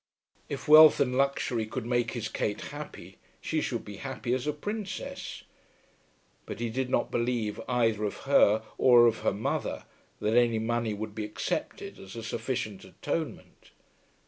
If wealth and luxury could make his Kate happy, she should be happy as a Princess. But he did not believe either of her or of her mother that any money would be accepted as a sufficient atonement.